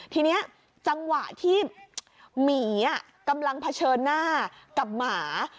ทีนี้จังหวะที่หมีกำลังเผชิญหน้ากับหมา